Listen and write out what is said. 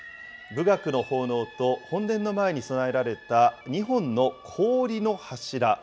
舞楽の奉納と、本殿の前に供えられた２本の氷の柱。